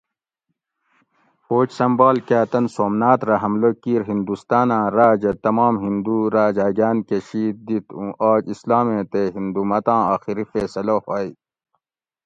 فوج سمبھال کا تن سومنات رہ حملہ کیِر ھندوستاۤںاۤں راۤج ھہ تمام ھندو راجاگاۤن کہ شید دِت اوُں آج اسلامیں تے ھندو متاں آخری فیصلہ ھوئ